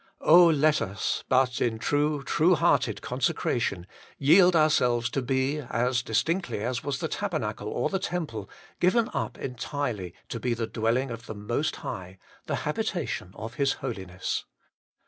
Oh, let us but, in true, true hearted consecration, yield ourselves to be, as distinctly as was the tabernacle or the temple, given up entirely to be the dwelling of the Most High, the habitation of His Holiness.